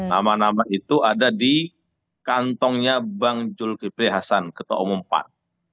nama nama itu ada di kantongnya bang zulkifri hasan ketua umum pan